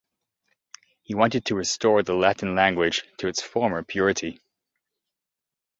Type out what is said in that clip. He wanted to restore the Latin language to its former purity.